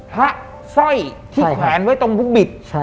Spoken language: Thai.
สร้อยที่แขวนไว้ตรงลูกบิด